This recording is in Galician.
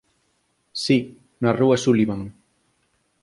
Si. Na rúa Sullivan.